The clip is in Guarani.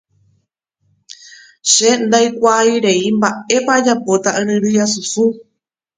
che ndaikuaairei mba'épa ajapóta aryrýi asusũ